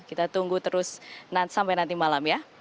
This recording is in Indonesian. kita tunggu terus sampai nanti malam ya